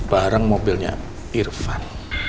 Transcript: bareng mobilnya irfan